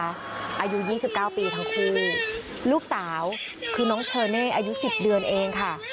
อายุ๒๙ปีทั้งคู่ลูกสาวคือน้องเชอเน่อายุ๑๐เดือนเองค่ะ